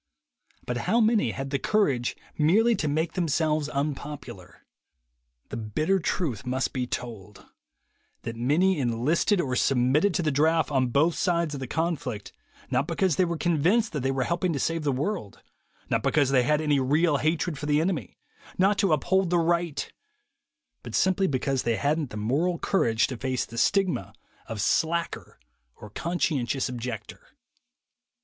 But how many had the courage merely to make them selves unpopular? The bitter truth must be told: that many enlisted or submitted to the draft on both sides of the conflict not because they were con vinced that they were helping to save the world, not because they had any real hatred for the enemy, not to uphold the right, but simply that they hadn't the moral courage to face the stigma of "slacker" or "conscientious objector."